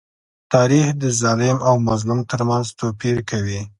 تاریخ د ظالم او مظلوم تر منځ توپير کوي.